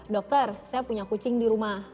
dokter saya punya kucing di rumah